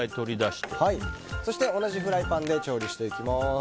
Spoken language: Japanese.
そして同じフライパンで調理していきます。